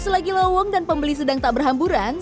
selagi lowong dan pembeli sedang tak berhamburan